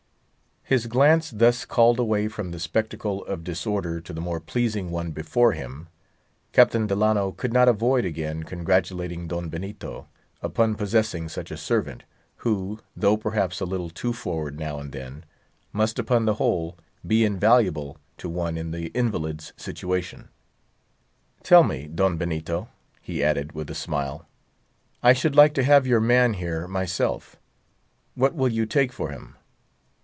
His glance called away from the spectacle of disorder to the more pleasing one before him, Captain Delano could not avoid again congratulating his host upon possessing such a servant, who, though perhaps a little too forward now and then, must upon the whole be invaluable to one in the invalid's situation. "Tell me, Don Benito," he added, with a smile—"I should like to have your man here, myself—what will you take for him?